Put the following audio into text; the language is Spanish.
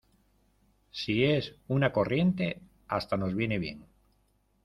si es una corriente, hasta nos viene bien